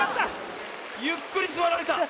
ゆっくりすわられた。